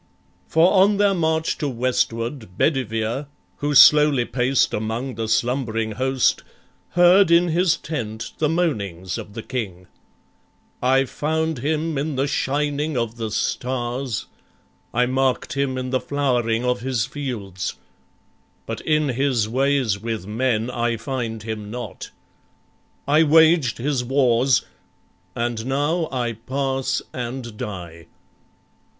For on their march to westward, Bedivere, Who slowly paced among the slumbering host, Heard in his tent the moanings of the King: "I found Him in the shining of the stars, I mark'd Him in the flowering of His fields, But in His ways with men I find Him not. I waged His wars, and now I pass and die.